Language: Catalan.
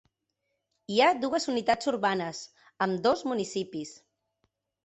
Hi ha dues unitats urbanes, ambdós municipis.